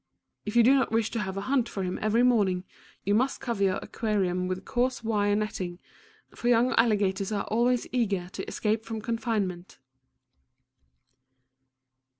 If you do not wish to have a hunt for him every morning, you must cover your aquarium with coarse wire netting, for young alligators are always eager to escape from confinement.